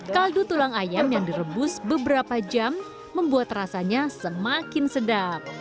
kaldu tulang ayam yang direbus beberapa jam membuat rasanya semakin sedap